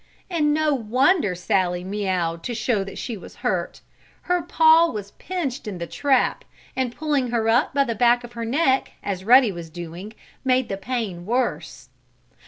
And no wonder Sallie meaouwed to show that she was hurt. Her paw was pinched in the trap, and pulling her up by the back of her neck, as Ruddy was doing, made the pain worse.